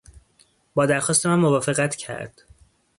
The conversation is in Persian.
با درخواست من موافقت کرد.